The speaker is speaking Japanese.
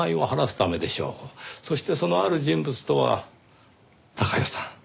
そしてそのある人物とは貴代さん